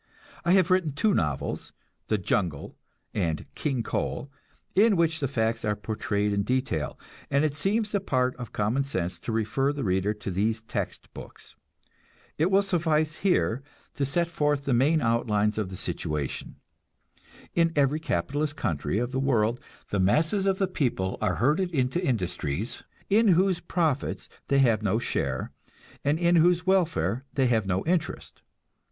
I have written two novels, "The Jungle" and "King Coal," in which the facts are portrayed in detail, and it seems the part of common sense to refer the reader to these text books. It will suffice here to set forth the main outlines of the situation. In every capitalist country of the world the masses of the people are herded into industries, in whose profits they have no share, and in whose welfare they have no interest.